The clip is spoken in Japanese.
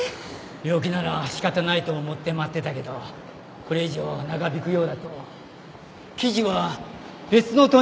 病気なら仕方ないと思って待ってたけどこれ以上長引くようだと生地は別の問屋さんから仕入れるしか。